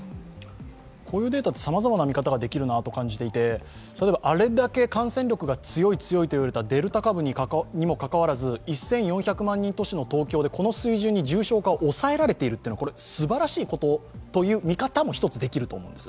こういうデータはさまざまな見方ができるなと感じていて、あれだけ感染力が強いといわれたデルタ株にもかかわらず１４００万人都市の東京で重症化を抑えられているというのはすばらしいという見方も一つできると思うんです。